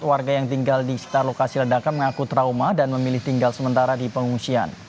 warga yang tinggal di sekitar lokasi ledakan mengaku trauma dan memilih tinggal sementara di pengungsian